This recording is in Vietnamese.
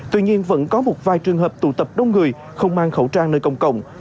tuy nhiên vẫn có một vài trường hợp tụ tập đông người không mang khẩu trang nơi công cộng